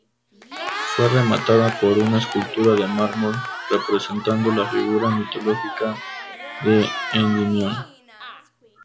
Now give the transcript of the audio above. Fue rematada por una escultura de mármol representando la figura mitológica de Endimión.